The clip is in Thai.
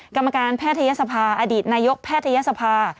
กรรมการแพทยศภาอดีตนายกแพทยศภา